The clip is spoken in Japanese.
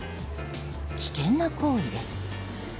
危険な行為です。